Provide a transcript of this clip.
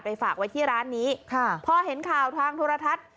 ฝากไว้ที่ร้านนี้ค่ะพอเห็นข่าวทางโทรทัศน์